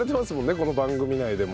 この番組内でも。